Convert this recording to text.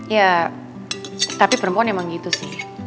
ya tapi perempuan emang gitu sih